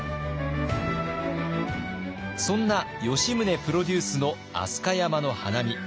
そんな吉宗プロデュースの飛鳥山の花見。